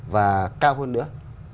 và cao hơn nữa